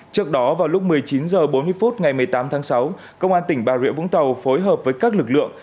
trước đó vào lúc một mươi chín h bốn mươi phút ngày một mươi tám tháng sáu công an tỉnh bà rịa vũng tàu phối hợp với các lực lượng